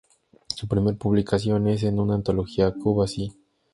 Su primera publicación es en una antología —"Cuba sí.